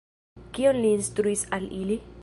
Kion li instruis al ili?